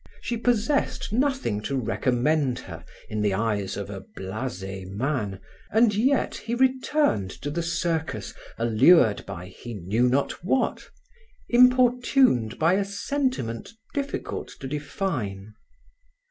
She possessed nothing to recommend her in the eyes of a blase man, and yet he returned to the Circus, allured by he knew not what, importuned by a sentiment difficult to define.